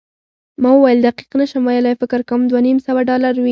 ما وویل، دقیق نه شم ویلای، فکر کوم دوه نیم سوه ډالره وي.